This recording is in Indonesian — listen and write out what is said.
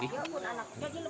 jadi lebatkan nih cenang